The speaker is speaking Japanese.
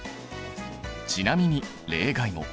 ちなみに例外も。